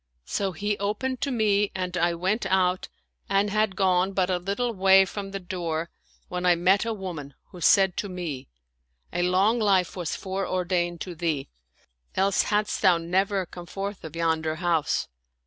So he opened to me and I went out and had gone but a little way from the door when I met a woman, who said to me, " A long life was fore ordained to thee ; else hadst thou never come forth of yonder house."